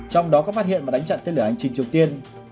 trong đó có phát hiện và đánh chặn tên lửa hành trình triều tiên